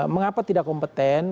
mengapa tidak kompeten